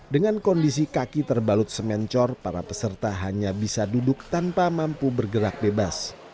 dengan kondisi kaki terbalut semen cor para peserta hanya bisa duduk tanpa mampu bergerak bebas